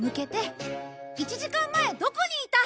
１時間前どこにいた！